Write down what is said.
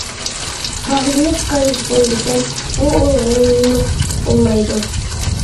باغلىنىپ قېلىش بولىدىكەن، بۇ ئۇيغۇنلۇق بولمايدۇ.